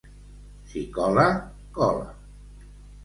Si cola, cola.